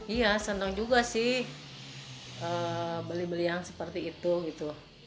iya senang juga sih beli beli yang seperti itu gitu